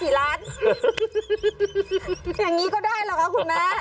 อย่างนี้ก็ได้เหรอคะคุณแม่